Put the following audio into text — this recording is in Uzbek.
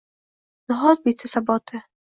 Nahot, bitdi saboti?